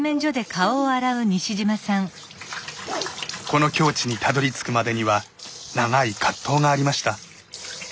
この境地にたどりつくまでには長い葛藤がありました。